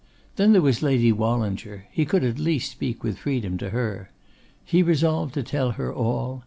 Then there was Lady Wallinger; he could at least speak with freedom to her. He resolved to tell her all.